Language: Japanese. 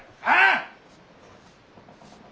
ああ？